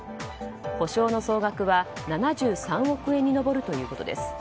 補償の総額は７３億円に上るということです。